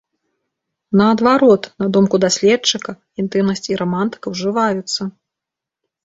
Наадварот, на думку даследчыка, інтымнасць і рамантыка ўжываюцца.